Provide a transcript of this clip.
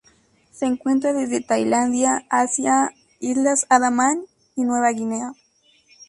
Se encuentran desde Tailandia, S E Asia, Islas Andamán y Nueva Guinea.